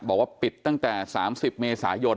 บอกว่าปิดตั้งแต่๓๐เมษายน